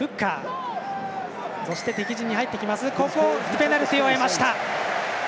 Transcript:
ペナルティを得ました。